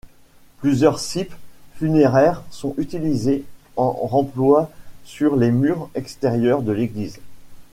Plusieurs cippes funéraires sont utilisés en remploi sur les murs extérieurs de l'église.